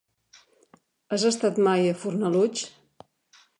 Has estat mai a Fornalutx?